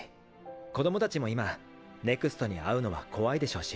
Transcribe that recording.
子どもたちも今ＮＥＸＴに会うのは怖いでしょうし。